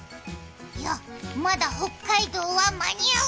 いや、まだ北海道は間に合う！